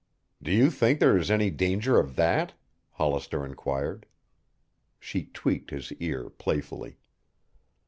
"Do you think there is any danger of that?" Hollister inquired. She tweaked his ear playfully.